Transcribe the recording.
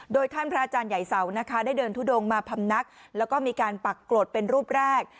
โดยท่านพระอาจารย์ใหญ่เสานะคะได้เดินทุดงมาพำนักแล้วก็มีการปักกรดเป็นรูปแรก